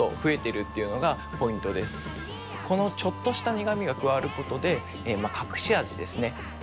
このちょっとした苦味が加わることで隠し味ですね。